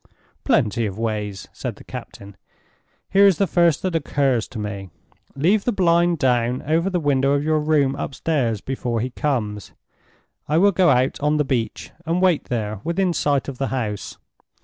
"Plenty of ways," said the captain. "Here is the first that occurs to me. Leave the blind down over the window of your room upstairs before he comes. I will go out on the beach, and wait there within sight of the house.